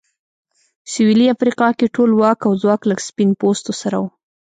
سوېلي افریقا کې ټول واک او ځواک له سپین پوستو سره و.